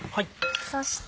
そして。